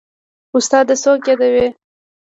استاده څوک يادوې.